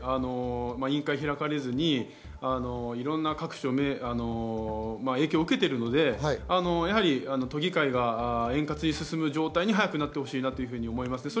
昨日も深夜まで委員会は開かれず、いろんな影響を受けているので都議会が円滑に進む状態に早くなってほしいなと思います。